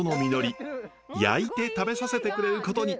焼いて食べさせてくれることに。